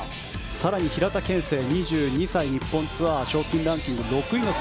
更に平田憲聖、２２歳日本ツアー賞金ランキング６位。